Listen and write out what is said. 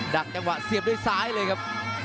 ักจังหวะเสียบด้วยซ้ายเลยครับ